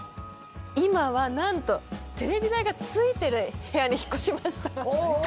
今は何とテレビ台が付いてる部屋に引っ越しました。